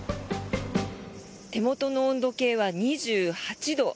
手元の温度計は２８度。